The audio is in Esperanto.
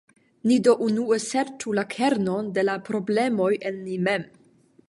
Ni do unue serĉu la kernon de la problemoj en ni mem.